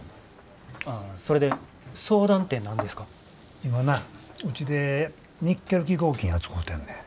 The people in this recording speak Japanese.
今なぁうちでニッケル基合金扱うてんねん。